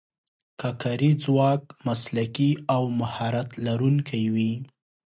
که کاري ځواک مسلکي او مهارت لرونکی وي.